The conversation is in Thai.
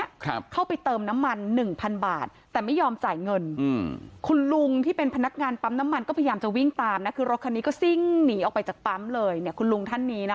ครับเข้าไปเติมน้ำมันหนึ่งพันบาทแต่ไม่ยอมจ่ายเงินอืมคุณลุงที่เป็นพนักงานปั๊มน้ำมันก็พยายามจะวิ่งตามนะคือรถคันนี้ก็ซิ่งหนีออกไปจากปั๊มเลยเนี่ยคุณลุงท่านนี้นะคะ